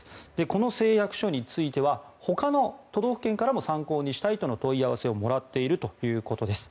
この誓約書についてはほかの都道府県からも参考にしたいとの問い合わせをもらっているということです。